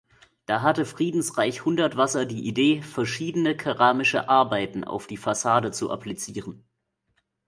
Da hatte Friedensreich Hundertwasser die Idee, verschiedene keramische Arbeiten auf die Fassade zu applizieren.